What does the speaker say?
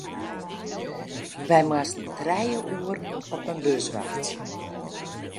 Wy moasten trije oeren op in bus wachtsje.